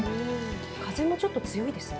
風もちょっと強いですね。